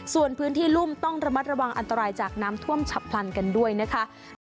ส่วนพื้นที่รุ่มต้องระมัดระวังอันตรายจากน้ำท่วมฉับพลันกันด้วยนะคะ